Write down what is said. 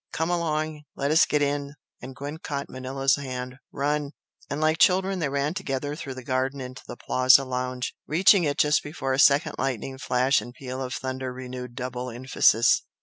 "Come along! Let us get in!" and Gwent caught Manella's hand "Run!" And like children they ran together through the garden into the Plaza lounge, reaching it just before a second lightning flash and peal of thunder renewed double emphasis.